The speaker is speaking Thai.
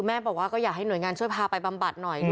บอกว่าก็อยากให้หน่วยงานช่วยพาไปบำบัดหน่อย